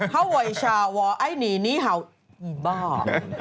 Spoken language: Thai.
เข้าไว้ชาวว่าไอ้นี่นี่เห่าอีบ้า